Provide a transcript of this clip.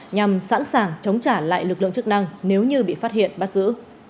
nhằm sẵn sàng chống trả lại lực lượng chức năng nếu như bị phát hiện bắt giữ